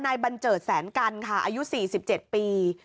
นายบัญเจิดแสนกัณฑ์ค่ะอายุ๔๗ปี